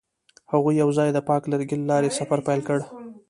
هغوی یوځای د پاک لرګی له لارې سفر پیل کړ.